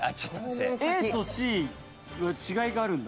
ＡとＣ違いがあるんだ。